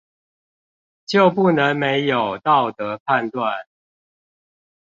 就不能沒有道德判斷